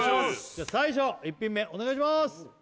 じゃあ最初１品目お願いします！